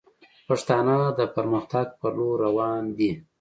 پښتانه د پرمختګ پر لور روان دي